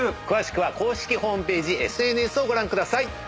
詳しくは公式ホームページＳＮＳをご覧ください。